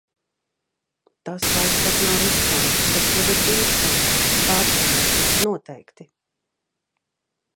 Tas vairs pat nav riskanti, tas jau ir bīstami! Pārziemosim. Noteikti!